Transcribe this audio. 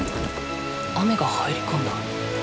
雨が入り込んだ。